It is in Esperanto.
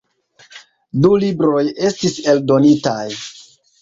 Du libroj estis eldonitaj.